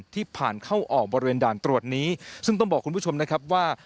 ที่ผ่านเข้าออกบริเวณด่านตรวจนี้ซึ่งต้องบอกคุณผู้ชมนะครับว่า